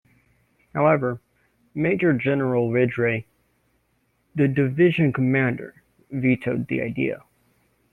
However, Major General Ridgway, the division commander, vetoed the idea.